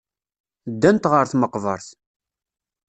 Ddant ɣer tmeqbert.